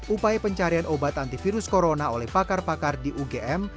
upaya pencarian obat antivirus corona oleh pakar pakar di ugm